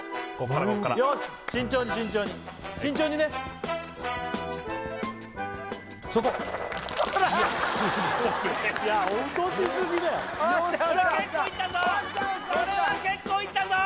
これは結構いったぞ